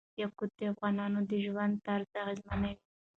یاقوت د افغانانو د ژوند طرز اغېزمنوي.